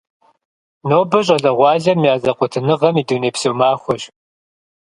Нобэ щӏалэгъуалэм я зэкъуэтыныгъэм и дунейпсо махуэщ.